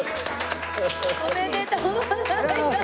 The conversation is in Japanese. おめでとうございます。